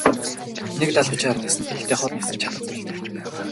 Нэг далавчаар ниснэ гэхдээ хол нисэж чадахгүй л дээ.